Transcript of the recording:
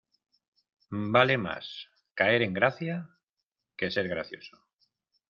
Vale más caer en gracia, que ser gracioso.